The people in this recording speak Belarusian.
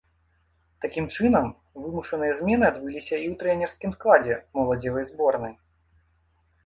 Такім чынам, вымушаныя змены адбыліся і ў трэнерскім складзе моладзевай зборнай.